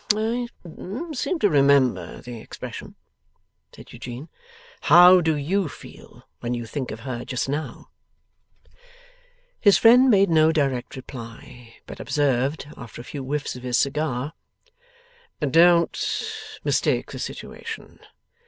'I seem to remember the expression,' said Eugene. 'How do YOU feel when you think of her just now?' His friend made no direct reply, but observed, after a few whiffs of his cigar, 'Don't mistake the situation.